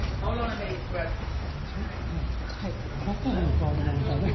ちょっとねバターの香りがまたね。